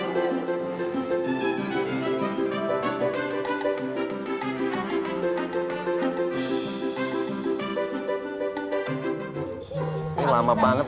jangan jangan jangan